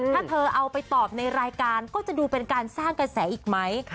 ถ้าเธอเอาไปตอบในรายการก็จะดูเป็นการสร้างกระแสอีกไหม